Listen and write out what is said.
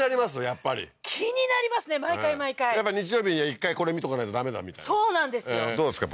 やっぱり気になりますね毎回毎回やっぱ日曜日には一回これ見とかないとダメだみたいなそうなんですよどうですか？